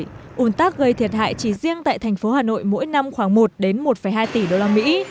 ủn tắc gây thiệt hại chỉ riêng tại thành phố hà nội mỗi năm khoảng một đến một hai tỷ đô la mỹ